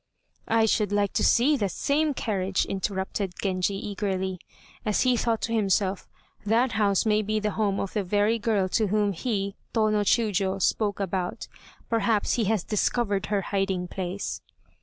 "I should like to see that same carriage," interrupted Genji eagerly, as he thought to himself, "that house may be the home of the very girl whom he (Tô no Chiûjiô) spoke about, perhaps he has discovered her hiding place."